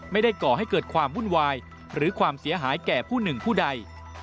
ก่อให้เกิดความวุ่นวายหรือความเสียหายแก่ผู้หนึ่งผู้ใด